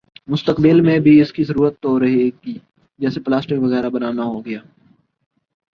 مستقبل میں بھی اس کی ضرورت تو رہے ہی گی جیسے پلاسٹک وغیرہ بنا نا ہوگیا